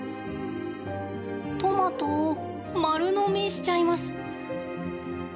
トマトを丸飲みしちゃいます。